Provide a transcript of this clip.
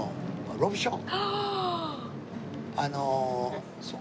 ロブション！